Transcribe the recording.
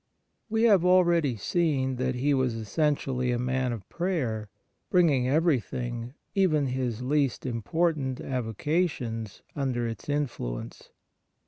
We have already seen that he was essentially a man of prayer, bringing everything, even his least important avocations, under its influence.